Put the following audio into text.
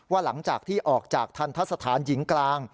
หลังจากที่ออกจากทันทะสถานหญิงกลาง